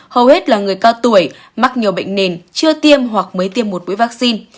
hầu hết là người cao tuổi mắc nhiều bệnh nền chưa tiêm hoặc mới tiêm một mũi vaccine